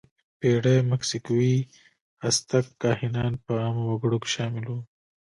د پینځلسمې پېړۍ مکسیکويي آزتک کاهنان په عامو وګړو کې شامل وو.